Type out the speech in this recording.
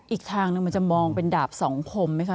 อีกทางหนึ่งมันจะมองเป็นดาบสองคมไหมคะ